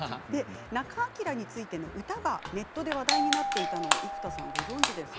仲章についての歌がネットで話題になっていたのを生田さんご存じですか。